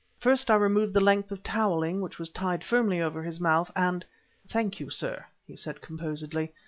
First I removed the length of toweling which was tied firmly over his mouth; and "Thank you, sir," he said composedly.